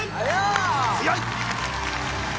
強い！